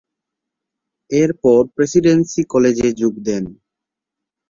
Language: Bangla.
এর পর প্রেসিডেন্সি কলেজে যোগ দেন।